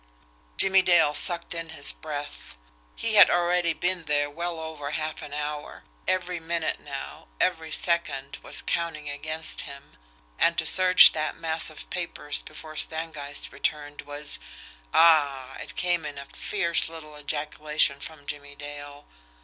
Jimmie Dale sucked in his breath. He had already been there well over half an hour every minute now, every second was counting against him, and to search that mass of papers before Stangeist returned was "Ah!" it came in a fierce little ejaculation from Jimmie Dale.